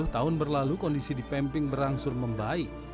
sepuluh tahun berlalu kondisi di pemping berangsur membaik